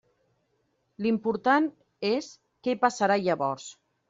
L'important és què passarà llavors.